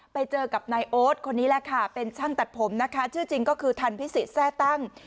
ไปเจอกับนายโอ๊ตคนนี้แหละค่ะเป็นช่างตัดผมนะคะชื่อจริงก็คือทันพิสิทธิแทร่ตั้ง